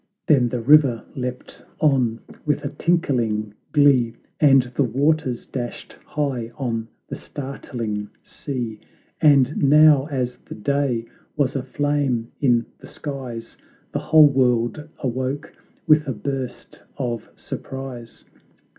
Then the river leapt on with a tinkling glee And the waters dashed high on the startling sea: And now as the Day was aflame in the skies The whole world awoke with a burst of surprise!